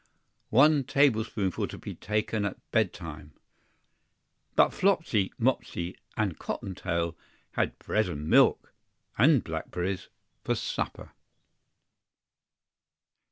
"One table spoonful to be taken at bed time." BUT Flopsy, Mopsy, and Cotton tail had bread and milk and blackberries, for supper.